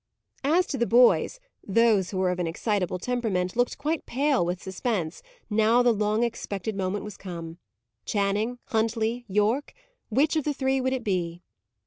As to the boys, those who were of an excitable temperament, looked quite pale with suspense, now the long expected moment was come. Channing? Huntley? Yorke? which of the three would it be?